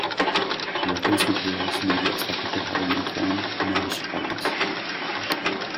Reference materials may be expected to have a uniform Mohs hardness.